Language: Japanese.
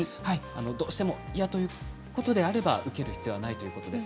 どうしても嫌ということであれば受ける必要はないということです。